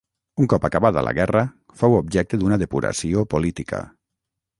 Un cop acabada la guerra fou objecte d'una depuració política.